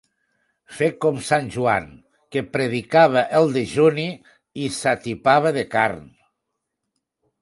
Fer com sant Joan, que predicava el dejuni i s'atipava de carn.